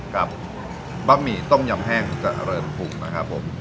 ครับบ๊าบหมี่ต้มยำแห้งจังหรือเปลืองนะครับพูด